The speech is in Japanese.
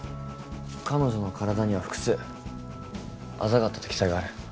彼女の体には複数あざがあったと記載がある。